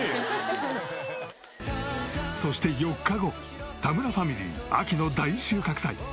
そして４日後田村ファミリー秋の大収穫祭！